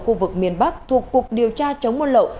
khu vực miền bắc thuộc cục điều tra chống buôn lậu